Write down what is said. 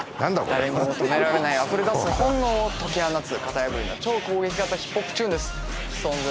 誰にも止められないあふれ出す本能を解き放つ型破りな超攻撃型ＨＩＰＨＯＰチューンですＳｉｘＴＯＮＥＳ